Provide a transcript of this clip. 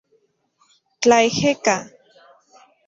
Tlaejeka.